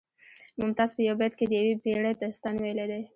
ممتاز په یو بیت کې د یوې پیړۍ داستان ویلی دی